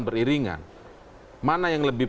beriringan mana yang lebih